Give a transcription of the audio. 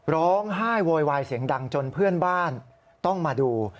ร้องไห้โวยวายเสียงดังจนเพื่อนบ้านต้องมาดู